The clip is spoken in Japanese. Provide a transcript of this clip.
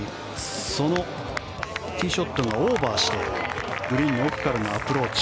そのティーショットがオーバーしてグリーンの奥からのアプローチ。